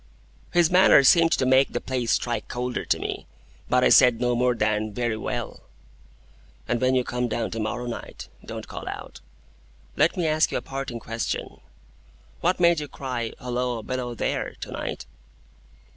His manner seemed to make the place strike colder to me, but I said no more than, "Very well." "And when you come down to morrow night, don't call out! Let me ask you a parting question. What made you cry, 'Halloa! Below there!' to night?"